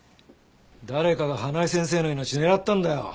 誰かが花井先生の命狙ったんだよ！